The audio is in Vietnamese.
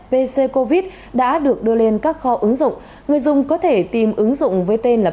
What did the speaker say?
pc covid đã được đưa lên các kho ứng dụng người dùng có thể tìm ứng dụng với tên là